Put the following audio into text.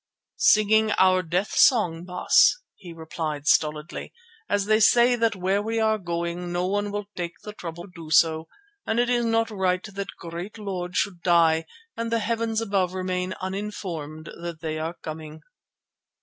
"Singing our death song, Baas," he replied stolidly, "as they say that where we are going no one will take the trouble to do so, and it is not right that great lords should die and the heavens above remain uninformed that they are coming."